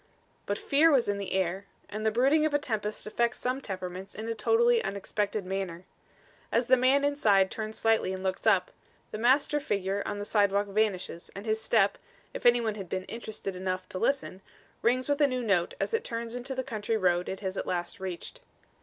But fear was in the air, and the brooding of a tempest affects some temperaments in a totally unexpected manner. As the man inside turns slightly and looks up, the master figure on the sidewalk vanishes, and his step, if any one had been interested enough to listen, rings with a new note as it turns into the country road it has at last reached.